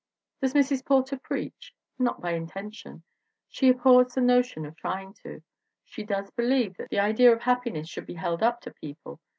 Does Mrs. Porter preach? Not by intention. She abhors the notion of trying to. She does believe that "the idea of happiness should be held up to people.